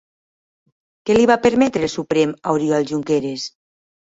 Què li va permetre el Suprem a Oriol Junqueras?